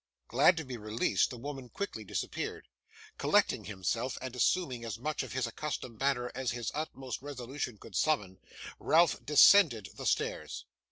Glad to be released, the woman quickly disappeared. Collecting himself, and assuming as much of his accustomed manner as his utmost resolution could summon, Ralph descended the stairs.